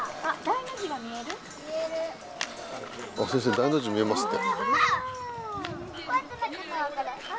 先生大の字見えますって。